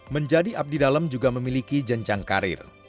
menjadi abdi dalam juga memiliki jenjang karir